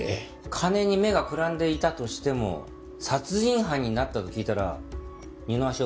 金に目がくらんでいたとしても殺人犯になったと聞いたら二の足を踏まないか？